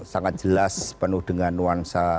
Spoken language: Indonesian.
sangat jelas penuh dengan nuansa